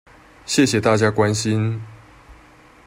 謝謝大家關心